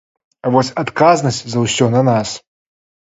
А вось адказнасць за ўсё на нас.